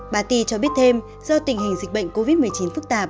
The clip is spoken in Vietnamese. bà ti cho biết thêm do tình hình dịch bệnh covid một mươi chín